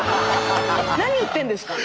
何言ってるんですか。